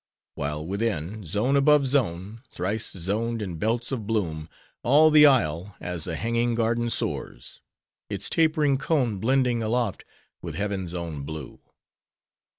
While, within, zone above zone, thrice zoned in belts of bloom, all the isle, as a hanging garden soars; its tapering cone blending aloft, with heaven's own blue.